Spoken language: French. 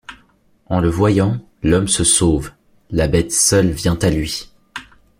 En le voyant, l’homme se sauve ; La bête seule vient à lui.